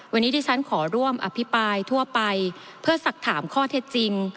วันนี้ที่ฉันขอร่วมอภิปรายทั่วไปเพื่อสักถามข้อเท็จจริง